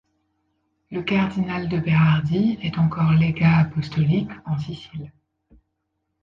Le cardinal de Berardi est encore légat apostolique en Sicile.